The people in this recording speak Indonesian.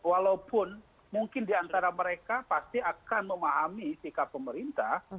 walaupun mungkin diantara mereka pasti akan memahami sikap pemerintah